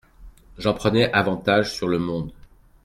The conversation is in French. J’en prenais avantage sur le monde.